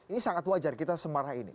ini sangat wajar kita semarah ini